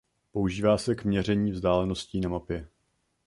Používá se k měření vzdáleností na mapě.